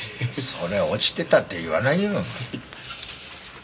それ落ちてたって言わないよ。